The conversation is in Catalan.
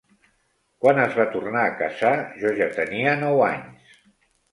Quan es va tornar a casar jo ja tenia nou anys.